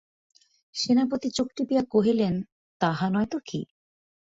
সেনাপতি চোখ টিপিয়া কহিলেন, তাহা নয় তো কী।